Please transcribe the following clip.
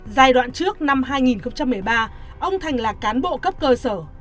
giai đoạn trước năm hai nghìn một mươi ba ông thành là cán bộ cấp cơ sở